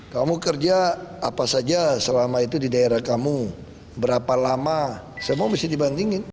kamu kerja apa saja selama itu di daerah kamu berapa lama semua mesti dibandingin